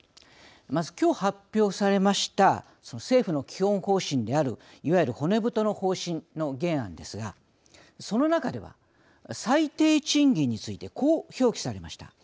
まずきょう発表されました政府の基本方針であるいわゆる骨太の方針の原案ですがその中では最低賃金についてこう表記されました。